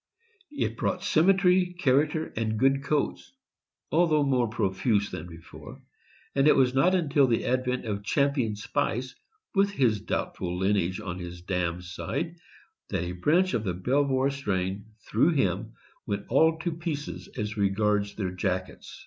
It brought sym metry, character, and good coats, although more profuse than before; and it was not until the advent of Champion Spice, with his doubtful lineage on his dam's side, that a branch of the Belvoir strain, through him, went all to pieces as regards their jackets.